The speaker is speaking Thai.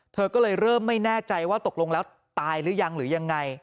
เธอก็เลยเริ่มไม่แน่ใจว่าตกลงแล้วตายหรือยังหรือยังไง